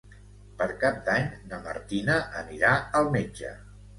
Per Cap d'Any na Martina anirà al metge.